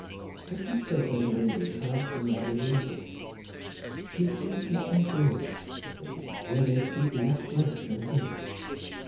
As he spoke very good English, I asked where he had learnt it. "Chiefly in South Wales," said he, "where they speak less Welsh than here."